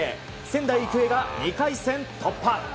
仙台育英が２回戦突破。